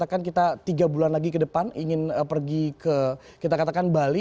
jadi misalnya kita katakan tiga bulan lagi ke depan ingin pergi ke bali